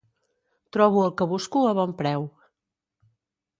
Trobo el que busco a bon preu.